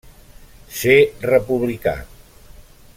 Ser republicà.